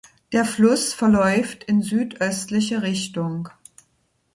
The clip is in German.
Der Fluss verläuft in südöstliche Richtung.